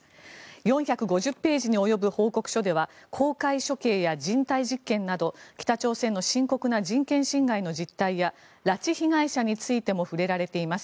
４５０ページに及ぶ報告書では公開処刑や人体実験など北朝鮮の深刻な人権侵害の実態や拉致被害者についても触れられています。